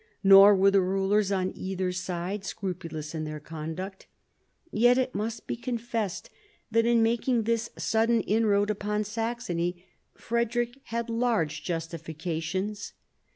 Nor were the rulers on either side scrupulous in their conduct. Yet it must be confessed that in making his sudden inroad upon Saxony, Frederick had large justifications.